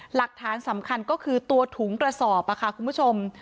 หลักฐานสำคัญก็คือตัวถุงกระสอบค่ะคุณผู้ชม